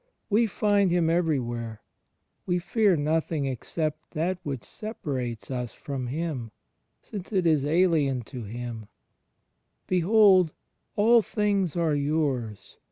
we find Him every where; we fear nothing except that which separates us from Him, since it is alien to Him — behold! "all things are yours